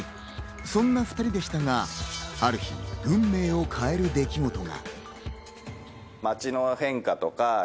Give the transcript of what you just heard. そんな２人でしたが、ある日、運命を変える出来事が。